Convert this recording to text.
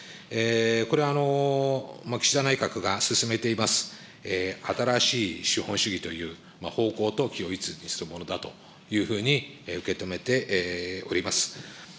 これは岸田内閣が進めています、新しい資本主義という方向と軌を一にするものだと受け止めております。